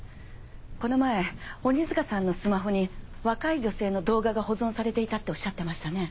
この前鬼塚さんのスマホに若い女性の動画が保存されていたっておっしゃってましたね。